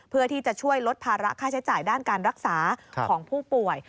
เพื่อที่จะช่วยลดภาระค่าใช้จ่ายด้านการรักษาของผู้ป่วย